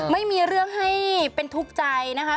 ไม่มีเรื่องให้เป็นทุกข์ใจนะคะ